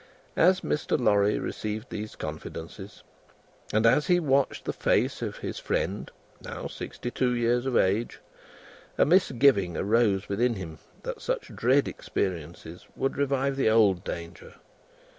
As Mr. Lorry received these confidences, and as he watched the face of his friend now sixty two years of age, a misgiving arose within him that such dread experiences would revive the old danger.